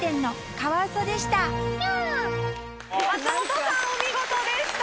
松本さんお見事でした！